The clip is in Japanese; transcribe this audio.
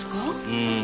うん。